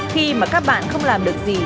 khi mà các bạn không làm được gì